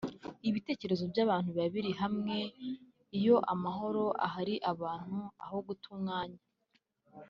ibitekerezo by’abantu biba biri hamwe; iyo amahoro ahari abantu aho guta umwanya